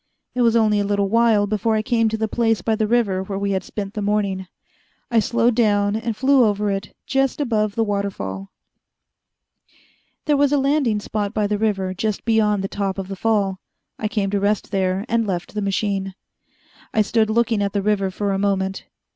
It was only a little while before I came to the place by the river where we had spent the morning. I slowed down, and flew over it, just above the waterfall. There was a landing spot by the river just beyond the top of the fall. I came to rest there, and left the machine. I stood looking at the river for a moment.